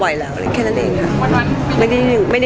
ไปหลังไนกูใจขาดบางแนะนำ